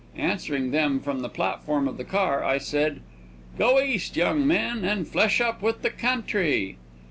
Answering them from the platform of the car, I said: "Go East, young men, and flesh up with the country."